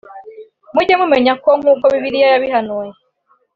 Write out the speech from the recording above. mujye mumenya ko nkuko Bible yabihanuye